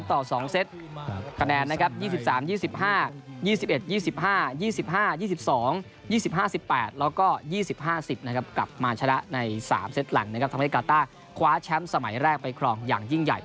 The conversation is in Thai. ทำให้การ์ต้าคว้าแชมป์สมัยแรกไปครองอย่างยิ่งใหญ่